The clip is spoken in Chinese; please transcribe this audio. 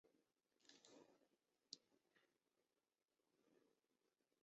明代科举制度中国子监贡监生之一。